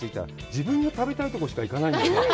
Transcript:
自分が食べたいところしか行かないんだ。